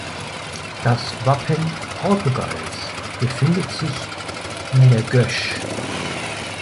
Das Wappen Portugals befindet sich in der Gösch.